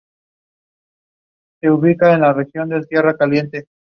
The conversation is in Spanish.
Holmes trabajaría nuevamente con Ted Nugent de forma esporádica.